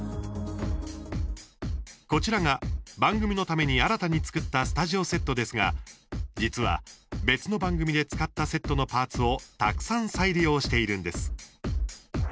こちらが番組のために、新たに作ったスタジオセットですが実は、別の番組で使ったセットのパーツをたくさん再利用しているんです。